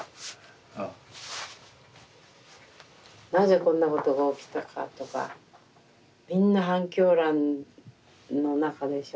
なぜこんなことが起きたかとかみんな半狂乱の中でしょ。